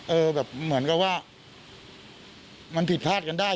แบบเหมือนกับว่ามันผิดพลาดกันได้